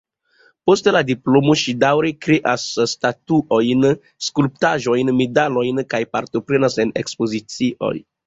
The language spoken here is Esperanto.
Post la diplomo ŝi daŭre kreas statuojn, skulptaĵojn, medalojn kaj partoprenas en ekspozicioj.